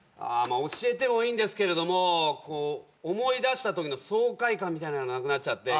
教えてもいいんですけれども思い出したときの爽快感みたいなのなくなっちゃって。